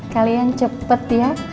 kalian cepet ya